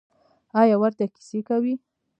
ایا ورته کیسې کوئ؟